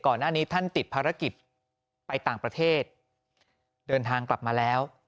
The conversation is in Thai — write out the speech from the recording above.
ก่อนหน้านี้ท่านติดภารกิจไปต่างประเทศเดินทางกลับมาแล้ว